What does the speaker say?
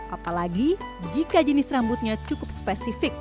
apalagi jika jenis rambutnya cukup spesifik